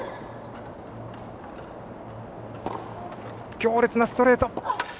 強烈なストレート。